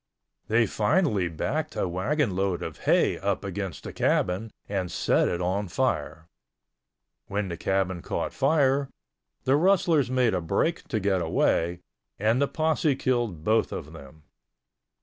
They finally backed a wagonload of hay up against the cabin and set it on fire. When the cabin caught fire, the rustlers made a break to get away, and the posse killed both of them.